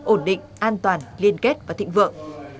ổn định an toàn liên kết và thịnh vượng